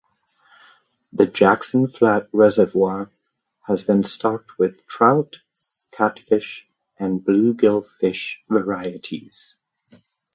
The Jackson Flat Reservoir has been stocked with trout, catfish, and bluegill fish varieties.